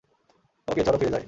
ওকে, চলো ফিরে যায়।